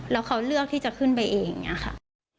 แล้วเขาเลือกที่จะขึ้นไปเองอย่างนี้ค่ะ